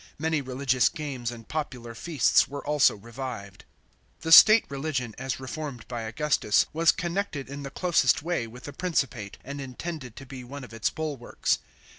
Many religious games and popular feasts were also revived. The state religion, as reformed by Augustus, was connected in the closest way with the Principate, and intended to be one of its bulwarks.